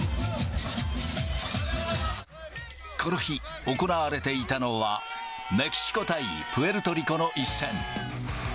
この日、行われていたのは、メキシコ対プエルトリコの一戦。